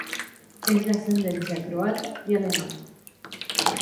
Es de ascendencia croata y alemana.